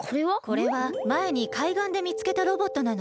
これはまえにかいがんでみつけたロボットなの。